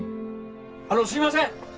あのすいません！